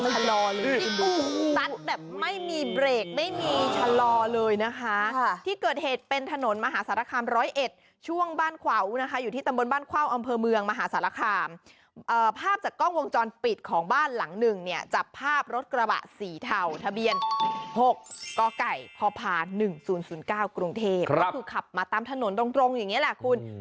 พุ่งแบบไม่ยั้งไม่มีเฉลาเลยนะคะที่เกิดเหตุเป็นถนนมหาศาลคามร้อยเอ็ดช่วงบ้านขวาอุนะคะอยู่ที่ตำรวจบ้านขว้าวอำเภอเมืองมหาศาลคามภาพจากกล้องวงจรปิดของบ้านหลังหนึ่งเนี่ยจับภาพรถกระบะสีเทาทะเบียน๖กกพภ๑๐๐๙กรุงเทพภาพมาตามถนนตรงปลอดภัย